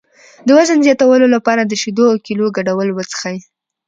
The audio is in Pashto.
د وزن زیاتولو لپاره د شیدو او کیلې ګډول وڅښئ